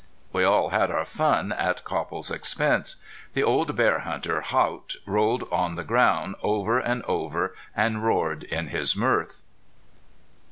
We all had our fun at Copple's expense. The old bear hunter, Haught, rolled on the ground, over and over, and roared in his mirth.